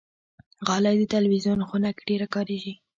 غالۍ د تلویزون خونه کې ډېره کاریږي.